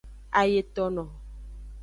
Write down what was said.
Ayetono.